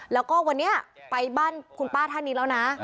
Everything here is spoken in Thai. แล้วก็วันนี้ไปบ้านคุณป้าท่านนี้แล้วนะ